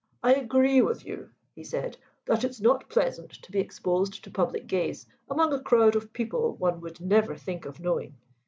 "I agree with you," he said, "that it's not pleasant to be exposed to public gaze among a crowd of people one would never think of knowing.